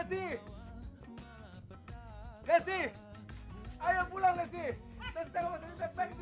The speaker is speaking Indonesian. nih ayah emaknya kagak tegang liat kagak begitu